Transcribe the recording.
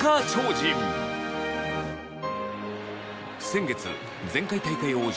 先月前回大会王者